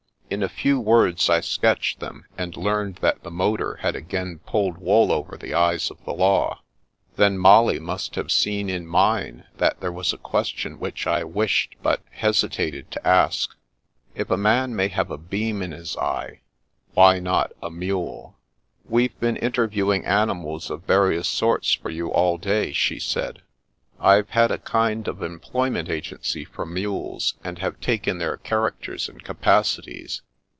In a few words I sketched them, and learned that the motor had again pulled wool over the eyes of the law; then Molly must have seen in mine that there was a question which I wished, but hesitated, to ask. If a man may have a beam in his eye, why not a mule ?" We've been interviewing animals of various At Last! 85 sorts foryou all day," she said. " I've had a kind of employment agency for mules, and have taken their characters and capacities.